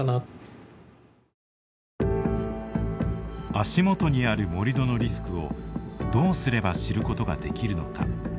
足元にある盛土のリスクをどうすれば知ることができるのか。